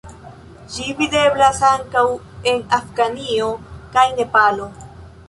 Ĝi videblas ankaŭ en Afganio kaj Nepalo.